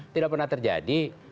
tidak pernah terjadi